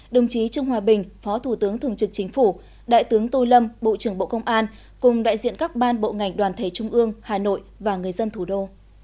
đồng chí trương hòa bình phó thủ tướng thường trực chính phủ đại tướng tô lâm bộ trưởng bộ công an cùng đại diện các ban bộ ngành đoàn thể trung ương hà nội và người dân thủ đô